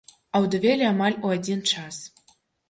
Аўдавелі амаль у адзін час.